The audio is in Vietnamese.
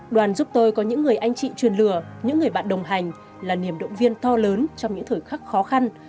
đoàn giúp tôi có những người anh chị truyền lừa những người bạn đồng hành là niềm động viên to lớn trong những thời khắc khó khăn